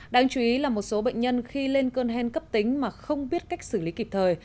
đáng chú ý là một số bệnh nhân khi lên cơn hen cấp tính mà không biết cách xử lý kịp thời